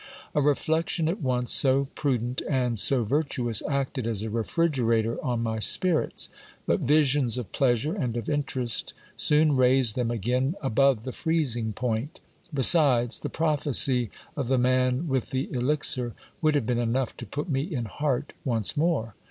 A reflection at once so prudent and so virtuous acted as a refrigerator on my spirits ; but visions of pleasure and of interest soon raised them again above the freezing point. Besides, the prophecy of the man with the elixir would have been enough to put me in heart once more.